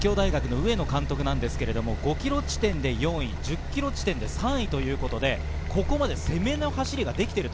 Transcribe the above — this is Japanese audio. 立教大学の上野監督ですが、５ｋｍ地点で４位、１０ｋｍ地点で３位ということで、ここまで攻めの走りができている。